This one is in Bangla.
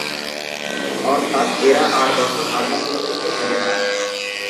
অর্থাৎ, এরা আর তখন আধান নিরপেক্ষ থাকে না।